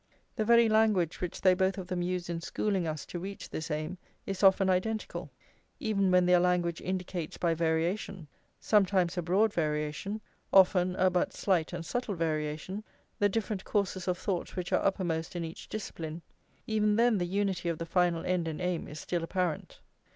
The very language which they both of them use in schooling us to reach this aim is often identical. Even when their language indicates by variation, sometimes a broad variation, often a but slight and subtle variation, the different courses of thought which are uppermost in each discipline, even then the unity of the final end and aim is still apparent.